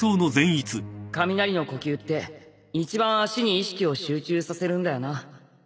雷の呼吸って一番足に意識を集中させるんだよな